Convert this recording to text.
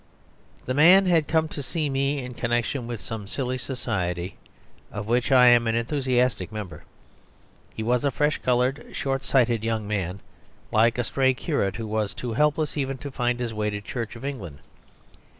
..... The man had come to see me in connection with some silly society of which I am an enthusiastic member; he was a fresh coloured, short sighted young man, like a stray curate who was too helpless even to find his way to the Church of England.